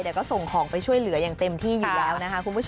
เดี๋ยวก็ส่งของไปช่วยเหลืออย่างเต็มที่อยู่แล้วนะคะคุณผู้ชม